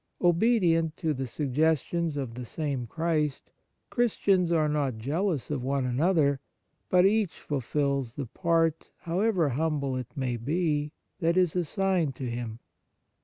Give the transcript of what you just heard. Obedient to the sugges tions of the same Christ, Christians are not jealous of one another; but each fulfils the part, however humble it may be, that is assigned to him.